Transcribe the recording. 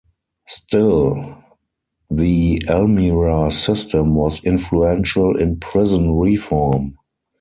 Still, the Elmira system was influential in prison reform.